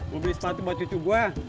mau beli sepatu buat cucu gue